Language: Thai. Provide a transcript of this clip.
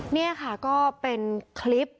นี่ค่ะก็เป็นคลิป